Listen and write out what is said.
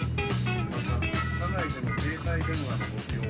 また車内での携帯電話のご使用は」。